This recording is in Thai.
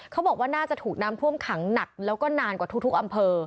เขาบอกว่าน่าจะถูกน้ำท่วมขังหนักแล้วก็นานกว่าทุกอำเภอ